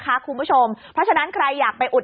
ถ้าหนูมีกันบ้านทำยังไงล่ะลูก